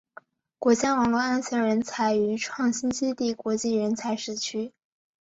国家网络安全人才与创新基地国际人才社区